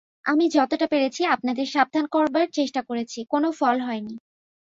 আমি যতটা পেরেছি আপনাদের সাবধান করবার চেষ্টা করেছি– কোনো ফল হয় নি।